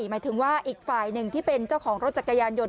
หมายถึงว่าอีกฝ่ายหนึ่งที่เป็นเจ้าของรถจักรยานยนต